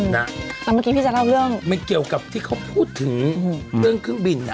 แต่เมื่อกี้พี่จะเล่าเรื่องไม่เกี่ยวกับที่เขาพูดถึงเรื่องเครื่องบิน